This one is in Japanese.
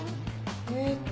えっと。